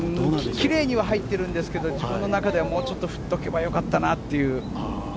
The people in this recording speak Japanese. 奇麗には入っているんですが自分の中ではもうちょっと振っておけばよかったなという。